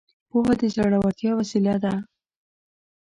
پوهه د زړورتيا وسيله ده.